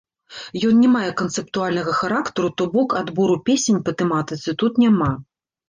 Ён не мае канцэптуальнага характару, то бок, адбору песень па тэматыцы тут няма.